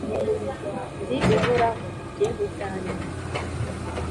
ndi uhoraho, jye ubwanjye,